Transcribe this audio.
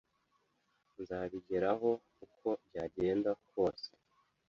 Nzabigeraho uko byagenda kose